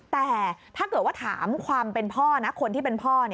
แต่ถ้าเกิดว่าถามความเป็นพ่อนะคนที่เป็นพ่อ